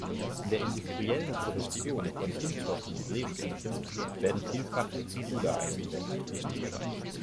In der industriellen Produktion von Kunststoffen und Lebensmitteln werden vielfach Extruder eingesetzt.